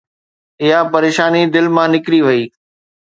اها پريشاني دل مان نڪري وئي.